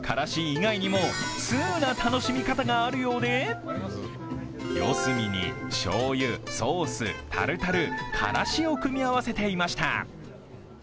意外にも通な楽しみ方があるようで四隅にしょうゆ、ソース、タルタル、からしを組み合わせていました。